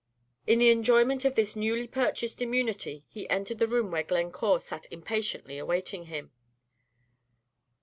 In the enjoyment of this newly purchased immunity he entered the room where Glencore sat impatiently awaiting him.